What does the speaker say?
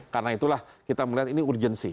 karena itulah kita melihat ini urgency